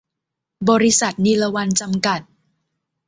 บริษัท นิลวรรณ จำกัด